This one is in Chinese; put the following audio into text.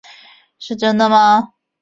是真的吗？